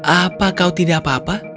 apa kau tidak apa apa